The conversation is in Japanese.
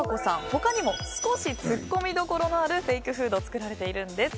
他にも少しツッコミどころのあるフェイクフードを作られているんです。